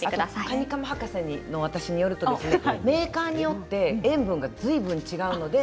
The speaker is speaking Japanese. カニカマ博士の私によるとメーカーによって塩分がずいぶん違うんです。